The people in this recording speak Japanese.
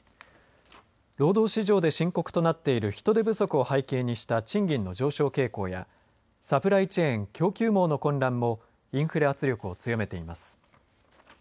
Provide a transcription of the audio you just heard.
労働市場で深刻となっている人手不足を背景にした賃金の上昇傾向やサプライチェーン供給網の混乱もインフレ圧力を強めています。